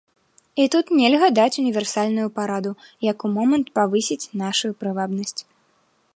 І тут нельга даць універсальную параду, як у момант павысіць нашую прывабнасць.